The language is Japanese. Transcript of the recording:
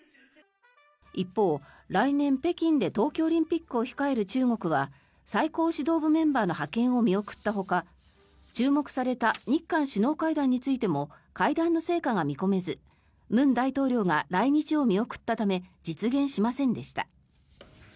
一方、来年、北京で冬季オリンピックを控える中国は最高指導部メンバーの派遣を見送ったほか注目された日韓首脳会談についても会談の成果が見込めず文大統領が来日を見送ったため実現しませんでした。